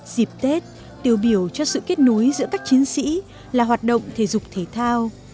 dịp tết tiêu biểu cho sự kết nối giữa các chiến sĩ là hoạt động thể dục thể thao